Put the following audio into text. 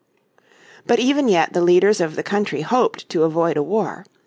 But even yet the leaders of the country hoped to avoid a war.